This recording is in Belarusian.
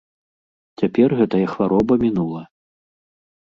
Цяпер гэтая хвароба мінула.